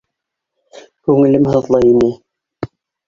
Күңелем һыҙлай ине.